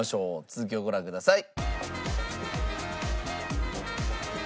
続きをご覧ください。